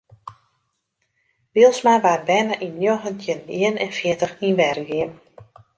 Bylsma waard berne yn njoggentjin ien en fjirtich yn Wergea.